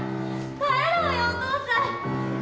帰ろうよお父さん！